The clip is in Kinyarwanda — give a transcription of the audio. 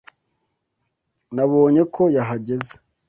Nabonye ko yahagaze.